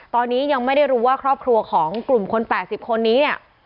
ตอนนี้ยังไม่ได้รู้ว่าครอบครัวของกลุ่มคน๘๐คนนี้เนี่ย